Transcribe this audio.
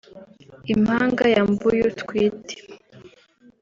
impanga ya Mbuyu twite